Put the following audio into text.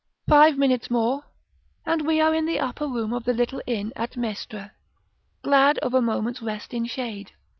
§ IX. Five minutes more, and we are in the upper room of the little inn at Mestre, glad of a moment's rest in shade.